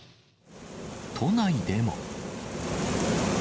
都内でも。